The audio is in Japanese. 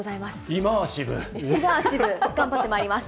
イマーシブ、頑張ってまいります。